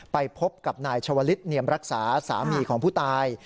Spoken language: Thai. ไปพบกับนายชาวลิศเนียมรักษาสามีของผู้ตาย